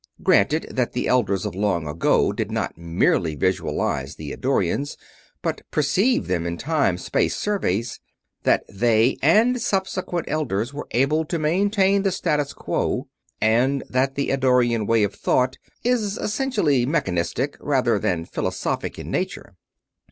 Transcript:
Granted that the Elders of long ago did not merely visualize the Eddorians, but perceived them in time space surveys; that they and subsequent Elders were able to maintain the status quo; and that the Eddorian way of thought is essentially mechanistic, rather than philosophic, in nature.